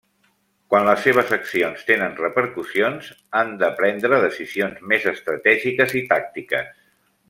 Quan les seves accions tenen repercussions, han de prendre decisions més estratègiques i tàctiques.